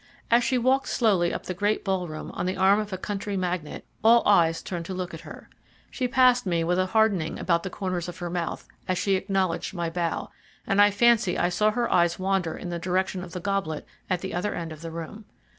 As she walked slowly up the great ballroom on the arm of a county magnate all eyes turned to look at her. She passed me with a hardening about the corners of her mouth as she acknowledged my bow, and I fancy I saw her eyes wander in the direction of the goblet at the other end of the room.